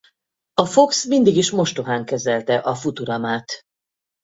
A Fox mindig is mostohán kezelte a Futuramát.